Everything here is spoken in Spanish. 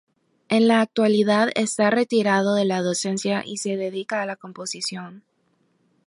En la actualidad está retirado de la docencia y se dedica a la composición.